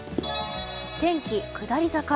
天気下り坂。